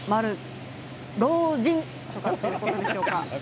老人ということでしょうか。